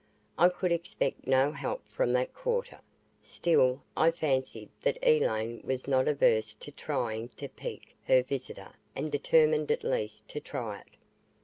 I could expect no help from that quarter. Still, I fancied that Elaine was not averse to trying to pique her visitor and determined at least to try it.